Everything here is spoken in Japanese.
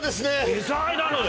デザイナーなのよ